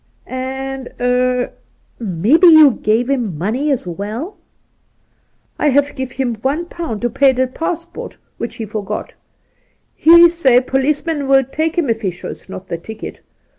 An' ■— er — mebbe you didn't give him money as well V Soltke 43 ' I haf give him one pound to pay the passport, which he forgot. He say policeman will take him if he shows not the ticket.